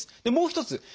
でもう一つ。